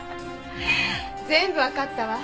全部わかったわ。